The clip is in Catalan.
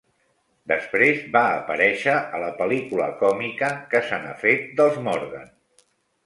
Després va aparèixer a la pel·lícula còmica "Què se n'ha fet, dels Morgan?".